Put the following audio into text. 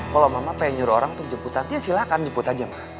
kalau mama pengen nyuruh orang untuk jemput tanti ya silahkan jemput aja ma